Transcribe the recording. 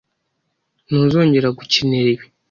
Ntuzongera gukenera ibi.